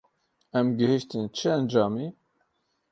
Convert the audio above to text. Em gihîştin çi encamê?